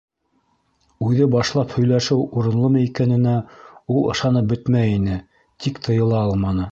Үҙе башлап һөйләшеү урынлымы икәненә ул ышанып бөтмәй ине, тик тыйыла алманы.